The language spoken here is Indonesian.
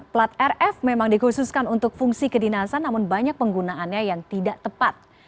plat rf memang dikhususkan untuk fungsi kedinasan namun banyak penggunaannya yang tidak tepat